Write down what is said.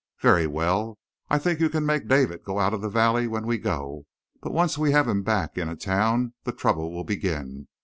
"Very well. I think you can make David go out of the valley when we go. But once we have him back in a town the trouble will begin.